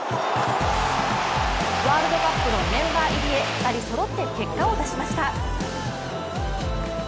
ワールドカップのメンバー入りへ２人そろって結果を出しました。